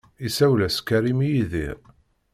Isawel-as Karim i Yidir.